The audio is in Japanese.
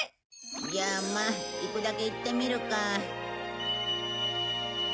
じゃあまあ行くだけ行ってみるか。